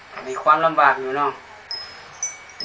ก็มีความลำบากอยู่เนอะ